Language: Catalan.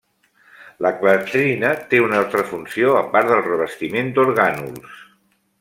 La clatrina té una altra funció a part del revestiment d'orgànuls.